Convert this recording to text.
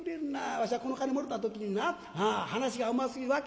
わしはこの紙もろた時にな話がうますぎる言いよった。